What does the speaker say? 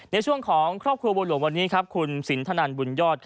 ในช่วงของครอบครัวบัวหลวงวันนี้ครับคุณสินทนันบุญยอด